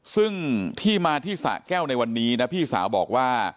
ซึ่งที่มาที่สะแก้วในวันนี้นะพี่สาวบอกว่า